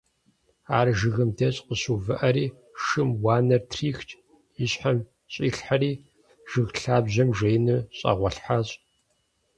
Ар жыгым деж къыщыувыӀэри, шым уанэр трихщ, и щхьэм щӀилъхьэри, жыг лъабжьэм жеину щӀэгъуэлъхьащ.